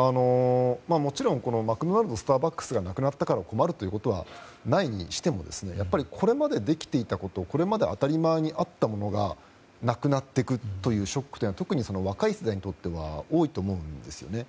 マクドナルドスターバックスがなくなったから困るということはないにしてもこれまでできていたことこれまで当たり前にあったものがなくなっていくというショックというのは若い世代にとっては大きいと思うんですね。